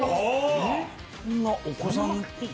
そんなお子さん。